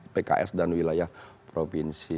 pks dan wilayah provinsi